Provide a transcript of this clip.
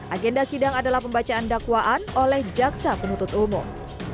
agenda sidang adalah pembacaan dakwaan oleh jaksa penuntut umum